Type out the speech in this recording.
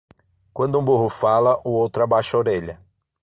Quando um burro fala, o outro abaixa a orelha